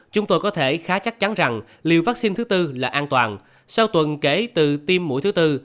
chúng tôi có thể khá chắc chắn rằng liều vaccine thứ tư là an toàn sau tuần kể từ tiêm mũi thứ bốn